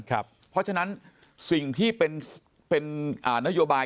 เพราะฉะนั้นสิ่งที่เป็นนโยบาย